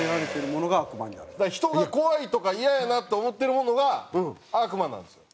だから人が怖いとかイヤやなって思ってるものが悪魔になるんですよ。